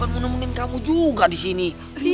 nemuin kamu juga di sini